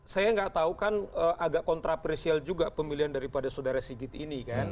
saya nggak tahu kan agak kontraprecial juga pemilihan daripada saudara sigit ini kan